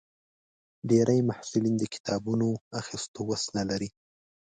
ډېری محصلین د کتابونو اخیستو وس نه لري.